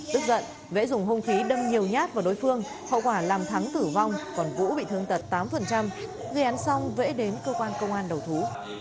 tức giận vẽ dùng hung khí đâm nhiều nhát vào đối phương hậu quả làm thắng tử vong còn vũ bị thương tật tám gây án xong vẽ đến cơ quan công an đầu thú